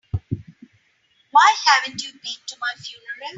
Why haven't you been to my funeral?